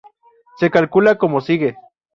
Se calcula como sigue